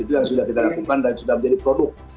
itu yang sudah kita lakukan dan sudah menjadi produk